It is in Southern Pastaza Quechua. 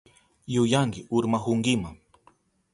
Yuyanki urmahunkima.